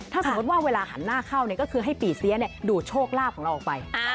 ถ้าสมมุติว่าเวลาหันหน้าเข้าก็คือให้ปีเสียดูดโชคลาภของเราออกไป